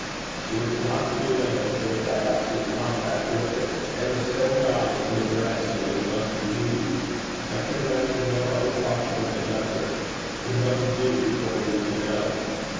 It is not to be known save by absolute contact with it; and the sole guide in the direction of it must be duty: I can imagine no other possible conductor. We must do before we can know.'